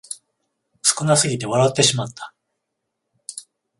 少なすぎて笑ってしまった